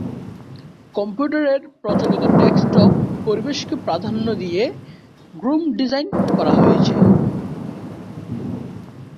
কম্পিউটারের প্রচলিত ডেস্কটপ পরিবেশকে প্রাধান্য দিয়ে গ্নোম ডিজাইন করা হয়েছে।